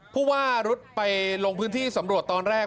ผู้ว่ารุดไปลงพื้นที่สำรวจตอนแรก